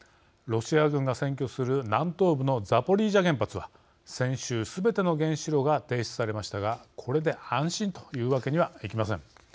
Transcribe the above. ロシア軍が占拠する南東部のザポリージャ原発は先週、すべての原子炉が停止されましたがこれで安心というわけにはいきません。